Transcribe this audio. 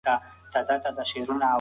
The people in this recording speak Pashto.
دا زموږ وروستۍ خبره ده.